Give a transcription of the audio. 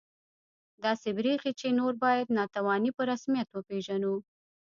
داسې بریښي چې نور باید ناتواني په رسمیت وپېژنو